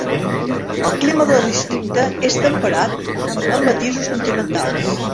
El clima del districte és temperat, amb matisos continentals.